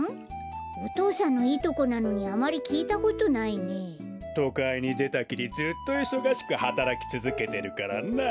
お父さんのいとこなのにあまりきいたことないね。とかいにでたきりずっといそがしくはたらきつづけてるからな。